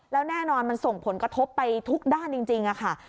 แล้วแน่นอนมันส่งผลกระทบไปทุกด้านจริงค่ะ